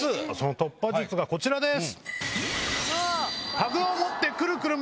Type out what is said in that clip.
突破術がこちらです。